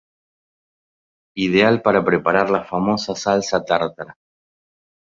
Ideal para preparar la famosa salsa tártara.